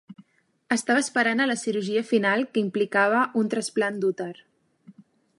Estava esperant a la cirurgia final que implicava un trasplant d'úter.